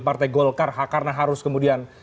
partai golkar karena harus kemudian